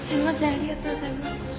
ありがとうございます。